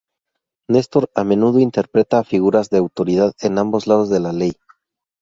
Nestor a menudo interpreta a figuras de autoridad en ambos lados de la ley.